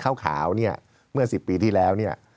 ข้าวขาวเนี่ยเมื่อ๑๐ปีที่แล้วเนี่ย